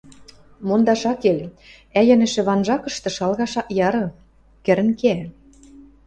— Мондаш ак кел: айӹнӹшӹ ванжакышты шалгаш ак яры — кӹрӹн кеӓ.